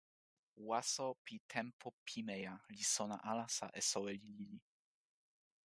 waso pi tenpo pimeja li sona alasa e soweli lili.